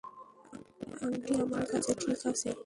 আংটি আমার কাছে, - ঠিক আছে।